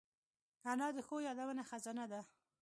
انا د ښو یادونو خزانه ده